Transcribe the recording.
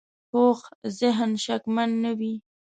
پوخ ذهن شکمن نه وي